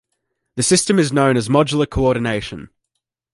This system is known as "modular coordination".